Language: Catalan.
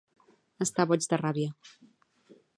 Està boig de ràbia.